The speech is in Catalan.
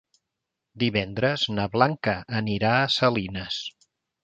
Divendres na Blanca anirà a Salines.